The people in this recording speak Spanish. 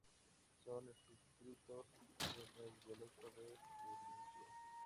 Son escritos en el dialecto de Turingia.